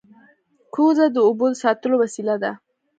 کوزه د اوبو د ساتلو وسیله ده